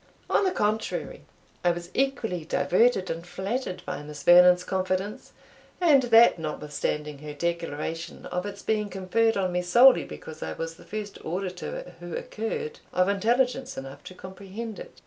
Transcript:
On the contrary, I was equally diverted and flattered by Miss Vernon's confidence, and that notwithstanding her declaration of its being conferred on me solely because I was the first auditor who occurred, of intelligence enough to comprehend it.